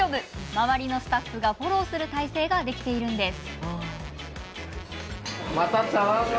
周りのスタッフがフォローする体制ができているんです。